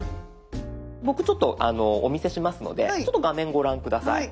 僕ちょっとお見せしますので画面ご覧下さい。